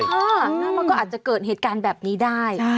จริงค่ะแล้วมันก็อาจจะเกิดเหตุการณ์แบบนี้ได้